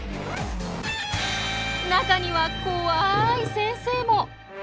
中にはこわい先生も。